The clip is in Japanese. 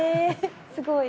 すごい！